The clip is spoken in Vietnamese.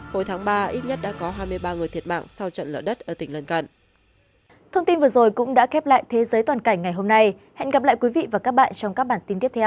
hồi tháng ba ít nhất đã có hai mươi ba người thiệt mạng sau trận lỡ đất ở tỉnh lân cận